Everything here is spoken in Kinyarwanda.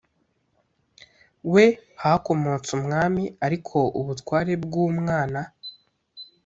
we hakomotse umwami ariko ubutware bw umwana